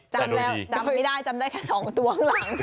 จำไม่ได้จำได้แค่สองตัวข้างหลัง